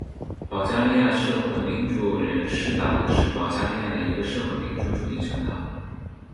保加利亚社会民主人士党是保加利亚的一个社会民主主义政党。